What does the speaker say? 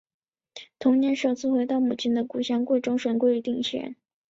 同年首次回到母亲的故乡贵州省贵定县。